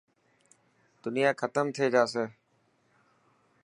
دنيا ختم ٿي جاسي.